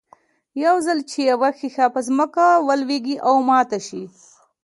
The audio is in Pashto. يو ځل چې يوه ښيښه پر ځمکه ولوېږي او ماته شي.